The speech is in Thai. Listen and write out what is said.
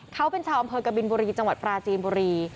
เขาเป็นชาวอำเภอกบินบุรีจังหวัดปราจีนบุรี